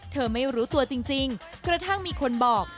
ไม่รู้ตัวจริงกระทั่งมีคนบอก